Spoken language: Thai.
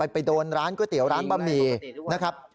ไปโดนร้านก๋วยเตี๋ยวร้านบะหมี่นะครับ